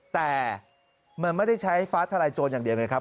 แต่มันไม่ได้ใช้ฟ้าทลายโจรอย่างเดียวไงครับ